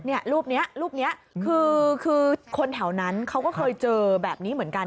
รูปนี้รูปนี้คือคือคนแถวนั้นเขาก็เคยเจอแบบนี้เหมือนกัน